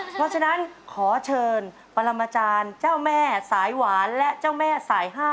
เพราะฉะนั้นขอเชิญปรมาจารย์เจ้าแม่สายหวานและเจ้าแม่สาย๕